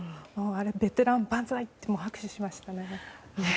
ベテラン万歳って拍手しましたね。